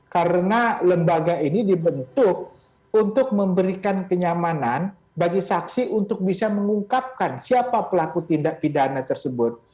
karena lembaga ini dibentuk untuk memberikan kenyamanan bagi saksi untuk bisa mengungkapkan siapa pelaku tindak pidana tersebut